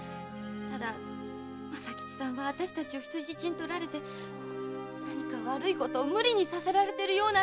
ただ政吉さんは私たちを人質に取られて何か悪いことを無理にさせられてるようなんです。